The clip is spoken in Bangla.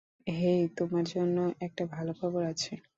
হেই, তোমার জন্য একটা ভালো খবর আছে।